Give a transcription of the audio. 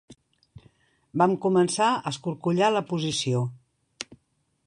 Vam començar a escorcollar la posició.